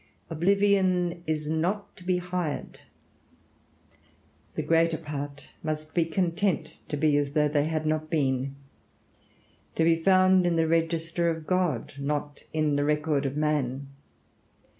Oblivion is not to be hired. The greater part must be content to be as though they had not been; to be found in the register of God, not in the record of man.